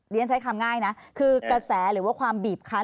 เรียนใช้คำง่ายนะคือกระแสหรือว่าความบีบคัน